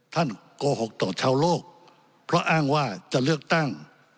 โกหกต่อชาวโลกเพราะอ้างว่าจะเลือกตั้ง